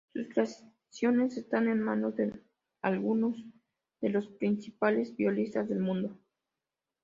Sus creaciones están en manos de algunos de los principales violinistas del mundo.